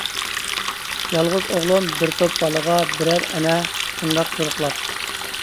يالغۇز ئوغلۇم بىر توپ بالىغا، بېرەر ئەنە شۇنداق چۇرۇقلاپ.